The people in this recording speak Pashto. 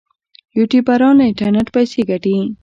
یوټیوبران له انټرنیټ پیسې ګټي